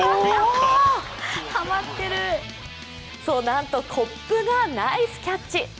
なんとコップがナイスキャッチ。